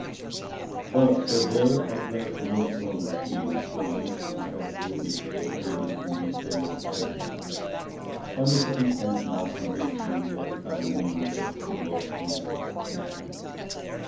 Thus was the veil at last removed from the schemes, over which he had brooded for years in mysterious silence. Every circumstance now convinced him that not a moment was to be lost in its execution.